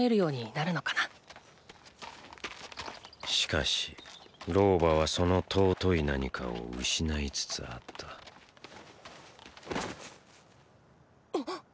しかし老婆はその尊い何かを失いつつあったあっ！